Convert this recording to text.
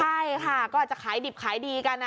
ใช่ค่ะก็อาจจะขายดิบขายดีกันนะ